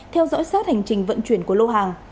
theo dõi sát hành trình vận chuyển của lô hàng